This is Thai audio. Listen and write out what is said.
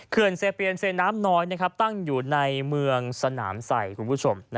เซเปียนเซน้ำน้อยตั้งอยู่ในเมืองสนามใส่คุณผู้ชม